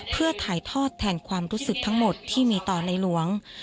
เพื่อถ่ายทอดแทนความรู้สึกทั้งหมดที่มีต่อในหลวง